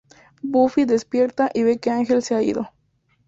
Buffy despierta y ve que Ángel se ha ido.